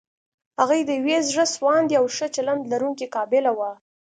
هغې د يوې زړه سواندې او ښه چلند لرونکې قابله وه.